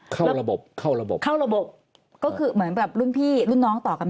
เข้าระบบเข้าระบบเข้าระบบก็คือเหมือนแบบรุ่นพี่รุ่นน้องต่อกันมา